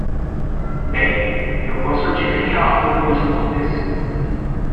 Bem? Eu posso adivinhar como isso aconteceu.